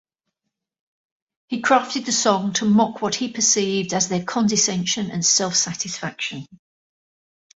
He crafted the song to mock what he perceived as their condescension and self-satisfaction.